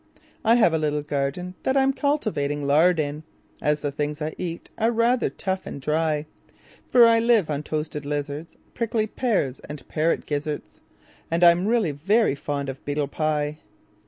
I have a little gardenThat I'm cultivating lard in, As the things I eat are rather tough and dry; For I live on toasted lizards, Prickly pears, and parrot gizzards, And I'm really very fond of beetle pie.